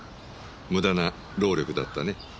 無駄な労力だったね。